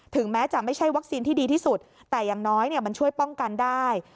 แม้จะไม่ใช่วัคซีนที่ดีที่สุดแต่อย่างน้อยมันช่วยป้องกันได้